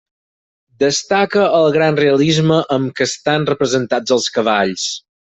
Destaca el gran realisme amb què estan representats els cavalls.